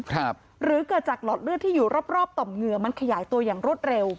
หรือเกิดจากหลอดเลือดที่อยู่รอบรอบต่อมเหงื่อมันขยายตัวอย่างรวดเร็ว